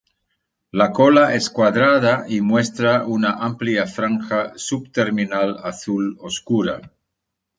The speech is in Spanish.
La cola es cuadrada y muestra una amplia franja subterminal azul oscura.